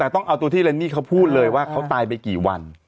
แต่ต้องเอาตัวที่เรนนี่เขาพูดเลยว่าเขาตายไปกี่วัน